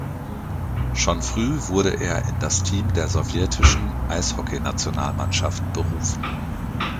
Schon früh wurde er in das Team der sowjetischen Eishockeynationalmannschaft berufen.